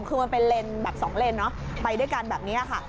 คือมันเป็นแบบสองเลนร์อาคารแตะงงไปด้วยกันแบบนี้ค่ะ